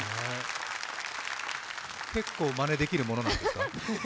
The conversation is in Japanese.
結構まねできるものなんですか？